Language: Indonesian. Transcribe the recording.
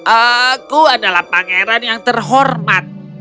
aku adalah pangeran yang terhormat